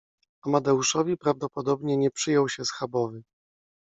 Amadeuszowi prawdopodobnie nie przyjął się schabowy.